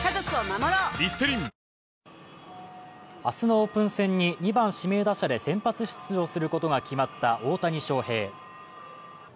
明日のオープン戦に２番・指名打者で先発出場することが決まった大谷翔平。